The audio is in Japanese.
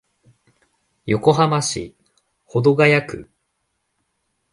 横浜市保土ケ谷区